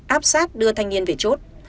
áp sát đưa thanh niên về chốt